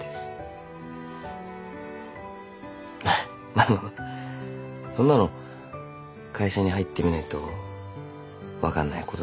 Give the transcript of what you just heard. まああのそんなの会社に入ってみないと分かんないことだけどさ。